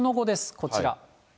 こちら。